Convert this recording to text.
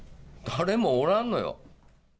誰もおらんのよ。